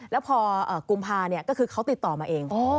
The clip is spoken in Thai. แล้วพอกุมภาก็คือเขาติดต่อมาเอง